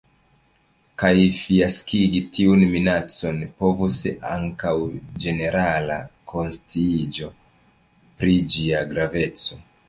Kaj fiaskigi tiun minacon povus ankaŭ ĝenerala konsciiĝo pri ĝia graveco.